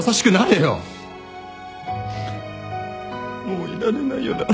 もういられないよな。